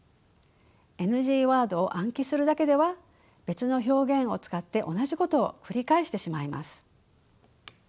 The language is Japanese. ＮＧワードを暗記するだけでは別の表現を使って同じことを繰り返してしまいます。